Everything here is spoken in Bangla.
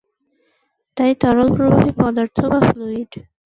তাই তরল প্রবাহী পদার্থ বা ফ্লুইড।